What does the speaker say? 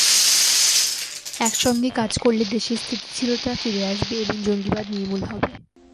একসঙ্গে কাজ করলে দেশে স্থিতিশীলতা ফিরে আসবে এবং জঙ্গিবাদ নির্মূল হবে।